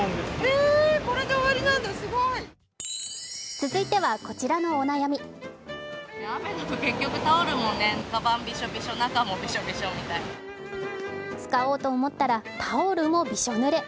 続いては、こちらのお悩み使おうと思ったらタオルもびしょぬれ。